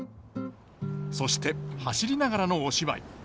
そして走りながらのお芝居。